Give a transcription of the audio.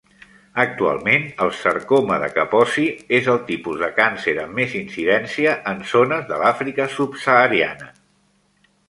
Actualment, el sarcoma de Kaposi és el tipus de càncer amb més incidència en zones de l'Àfrica Subsahariana.